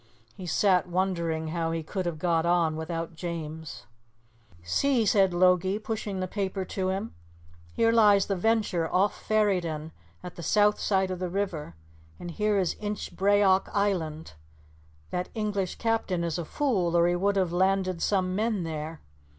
He sat wondering how he could have got on without James. "See," said Logie, pushing the paper to him, "here lies the Venture off Ferryden, at the south side of the river, and here is Inchbrayock Island. That English captain is a fool, or he would have landed some men there.